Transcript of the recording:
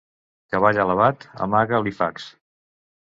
Cavall alabat, amaga alifacs.